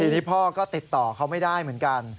ทีนี้พ่อก็ติดต่อเขาไม่ได้เหมือนกัน